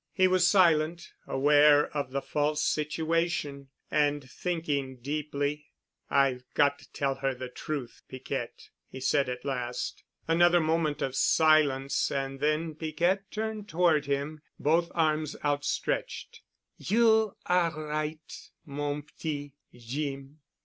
He was silent, aware of the false situation, and thinking deeply. "I've got to tell her the truth, Piquette," he said at last. Another moment of silence and then Piquette turned toward him, both arms outstretched. "You are right, mon petit Jeem.